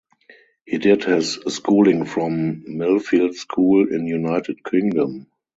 He did his schooling from Millfield School in United Kingdom.